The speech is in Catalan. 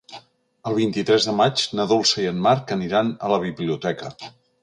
El vint-i-tres de maig na Dolça i en Marc aniran a la biblioteca.